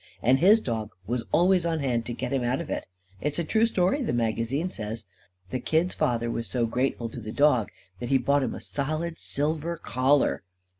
And his dog was always on hand to get him out of it. It's a true story, the magazine says. The kid's father was so grateful to the dog that he bought him a solid silver collar.